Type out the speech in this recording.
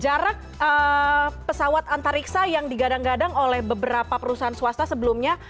jarak pesawat antariksa yang digadang gadang oleh beberapa perusahaan swasta sebelumnya